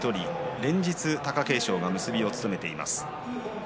連日貴景勝が結びを務めています。